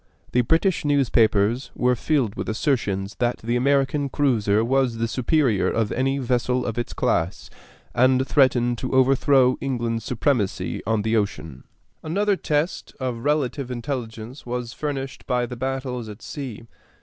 The British newspapers were filled with assertions that the American cruiser was the superior of any vessel of its class, and threatened to overthrow England's supremacy on the ocean. Another test of relative intelligence was furnished by the battles at sea.